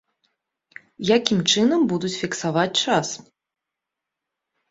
Якім чынам будуць фіксаваць час?